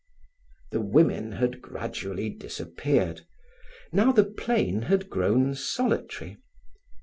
The women had gradually disappeared. Now the plain had grown solitary.